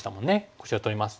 こちら取ります。